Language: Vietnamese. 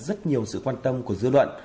rất nhiều sự quan tâm của dư luận